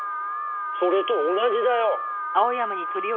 それと同じだよ。